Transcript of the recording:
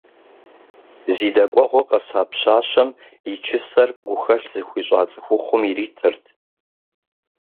Зи дэкӀуэгъуэ къэса пщащэм и чысэр гухэлъ зыхуищӀа цӀыхухъум иритырт.